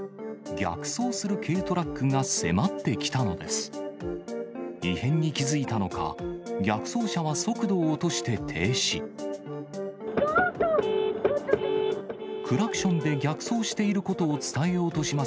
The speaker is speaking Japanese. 逆走する軽トラックが迫ってきたのです。